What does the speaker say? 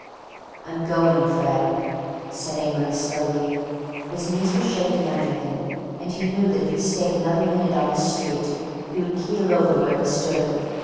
"I'm going, Fred," said Amory slowly. His knees were shaking under him, and he knew that if he stayed another minute on this street he would keel over where he stood.